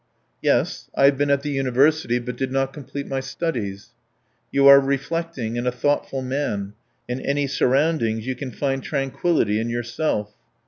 "Yes, I have been at the university, but did not complete my studies." "You are a reflecting and a thoughtful man. In any surroundings you can find tranquillity in yourself.